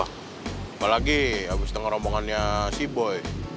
apalagi abis denger rombongannya si boy